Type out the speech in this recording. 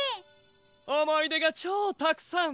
おもいでがチョウたくさん！